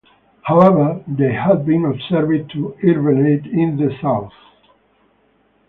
However, they have been observed to hibernate in the south.